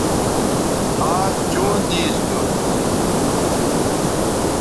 آز چوں دیس تھو